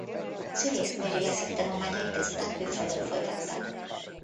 Szülész-nőgyógyászati tanulmányait ezután külföldön folytatta.